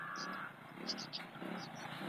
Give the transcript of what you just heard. انسان باید په هر حالت کې له نېکۍ لاس وانخلي.